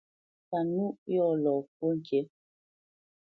Kanúʼ yɔ̂ lɔ nî fwo ŋkǐ.